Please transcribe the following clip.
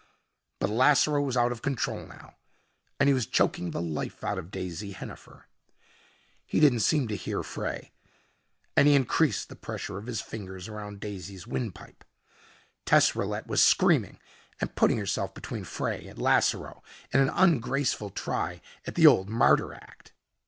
But Lasseroe was out of control now and he was choking the life out of Daisy Hennifer. He didn't seem to hear Frey, and he increased the pressure of his fingers around Daisy's windpipe. Tess Rillette was screaming and putting herself between Frey and Lasseroe, in an ungraceful try at the old martyr act.